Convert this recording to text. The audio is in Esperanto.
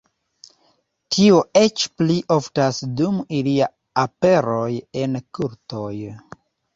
Tio eĉ pli oftas dum ilia aperoj en kultoj.